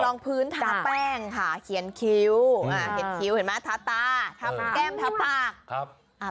ลงรองพื้นทะแป้งค่ะเขียนคิ้วเห็นไหมทะตาแก้มทะปาก